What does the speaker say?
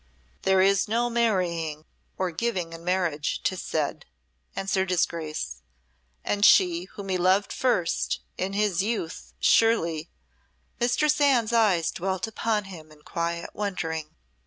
"There is no marrying or giving in marriage, 'tis said," answered his Grace, "and she whom he loved first in his youth surely " Mistress Anne's eyes dwelt upon him in quiet wondering.